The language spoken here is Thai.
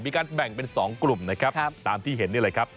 มีการแบ่งเป็น๒กลุ่มนะครับตามที่เห็นนี่แหละครับ